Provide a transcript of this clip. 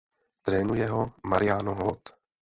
Trénuje ho Mariano Hood.